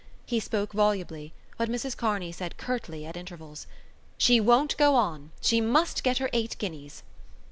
He spoke volubly, but Mrs Kearney said curtly at intervals: "She won't go on. She must get her eight guineas."